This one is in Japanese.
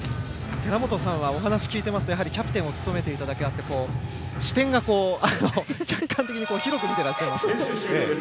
寺本さんはお話を聞いていますとキャプテンを務めていただけあって視点が客観的に広く見てらっしゃいますね。